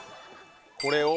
これを。